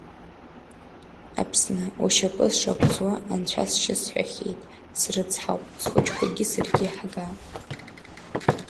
Аԥсны, ушьапы сшагәӡуа анцәа сшьы сҳәахьеит, срыцҳауп, схәыҷқәагьы саргьы ҳга!